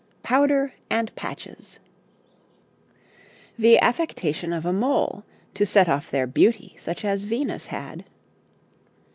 POWDER AND PATCHES 'The affectation of a mole, to set off their beauty, such as Venus had.'